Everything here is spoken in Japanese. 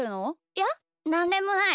いやなんでもない。